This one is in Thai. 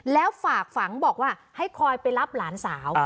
แล้วฝากฝังบอกว่าให้คอยไปรับหลานสาว